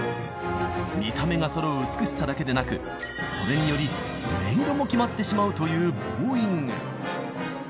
見た目がそろう美しさだけでなくそれにより音色も決まってしまうというボウイング。